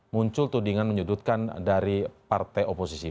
muncul tudingan menyudutkan dari partai oposisi